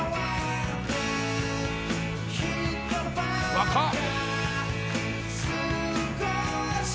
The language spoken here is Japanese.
「若っ」